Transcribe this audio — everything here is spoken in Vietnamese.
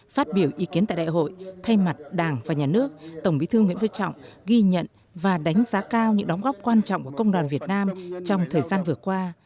phát biểu ý kiến tại đại hội thay mặt đảng và nhà nước tổng bí thư nguyễn vương trọng ghi nhận và đánh giá cao những đóng góp quan trọng của công đoàn việt nam trong thời gian vừa qua